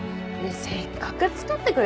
せっかく作ってくれたのに何？